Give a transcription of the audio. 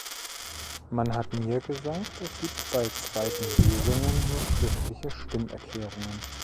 Man hat mir gesagt, es gibt bei zweiten Lesungen nur schriftliche Stimmerklärungen.